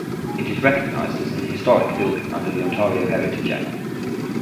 It is recognized as an historic building under the Ontario Heritage Act.